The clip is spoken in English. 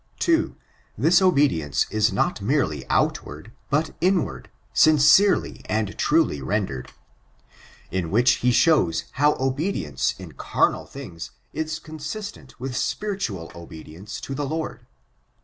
2. This obedience is not merely outward, but inward; sincerely, and truly rendered. In which he shows how obedience in carnal things is consistent with spiritual obedience to the Lord.